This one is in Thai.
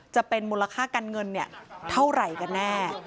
จะเป็นมูลค่าการเงินเท่าไหร่กันแน่